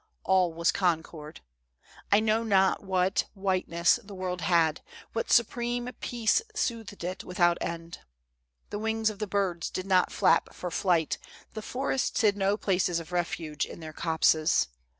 All was concord. I know not what whiteness the world had, what supreme peace soothed it without end. The wings of the birds did not flap for flight, the forests hid no places of refuge in their copses.